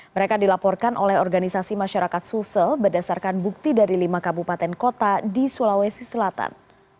mereka dilaporkan oleh organisasi masyarakat sulsel berdasarkan bukti dari lima kabupaten kota di sulawesi selatan